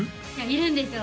いるんですよ